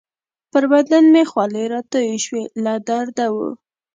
پر بدن مې خولې راتویې شوې، له درده وو.